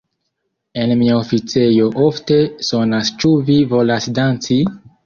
En mia oficejo ofte sonas Ĉu vi volas danci?